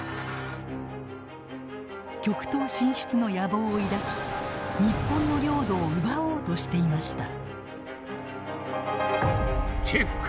極東進出の野望を抱き日本の領土を奪おうとしていました。